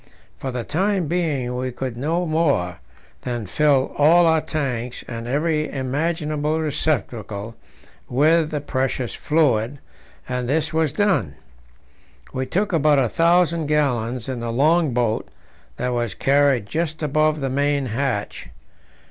For the time being we could do no more than fill all our tanks and every imaginable receptacle with the precious fluid, and this was done. We took about 1,000 gallons in the long boat that was carried just above the main hatch.